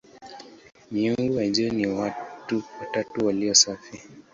Miungu wa juu ni "watatu walio safi".